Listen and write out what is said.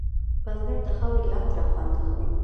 بزګر د خاورې له عطره خوند اخلي